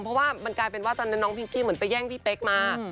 เพราะว่ามันกลายเป็นว่าตอนนั้นน้องพิงกี้เหมือนไปแย่งพี่เป๊กมา